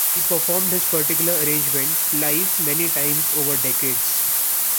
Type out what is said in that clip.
He performed his particular arrangement live many times over decades.